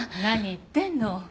何言ってんの。